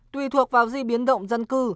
tùy thuộc vào di biến động dân cư